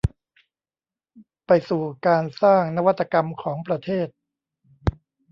ไปสู่การสร้างนวัตกรรมของประเทศ